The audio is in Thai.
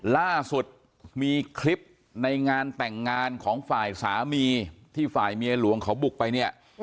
ล่าสุดมีคลิปในงานแต่งงานของฝ่ายสามีที่ฝ่ายเมียหลวงเขาบุกไปเนี่ย